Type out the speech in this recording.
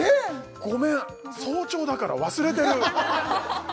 ごめん早朝だから忘れてる！